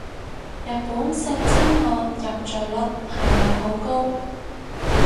日本性侵案入罪率係咪好高